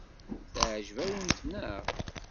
Teɛjeb-awent, naɣ?